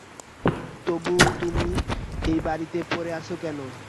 তবু তুমি এ-বাড়িতে পড়ে আছ কেন?